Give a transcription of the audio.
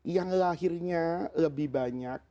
yang lahirnya lebih banyak